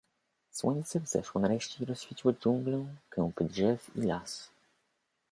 Słońce wzeszło nareszcie i rozświeciło dżunglę, kępy drzew i las.